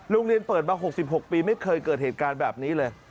โรงเรียนเปิดมา๖๖ปีไม่เคยเกิดเหตุการณ์แบบนี้เลย